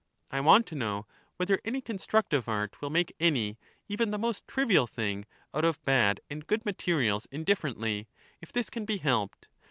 I want to know, whether any constructive art will make any, even the most trivial thing, out of bad and good materials indifferently, if this can be helped